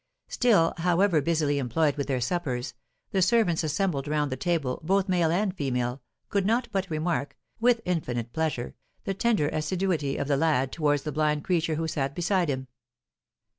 Still, however busily employed with their suppers, the servants assembled round the table, both male and female, could not but remark, with infinite pleasure, the tender assiduity of the lad towards the blind creature who sat beside him.